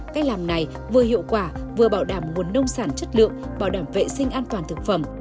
cách làm này vừa hiệu quả vừa bảo đảm nguồn nông sản chất lượng bảo đảm vệ sinh an toàn thực phẩm